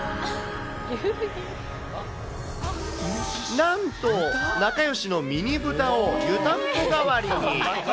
なんと、仲よしのミニブタを湯たんぽ代わりに。